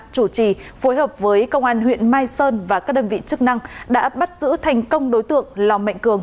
chủ trì phối hợp với công an huyện mai sơn và các đơn vị chức năng đã bắt giữ thành công đối tượng lò mạnh cường